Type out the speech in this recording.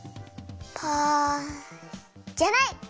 パじゃない！